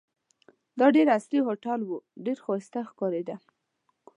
دا ډېر عصري هوټل وو، ډېر ښایسته ښکارېده.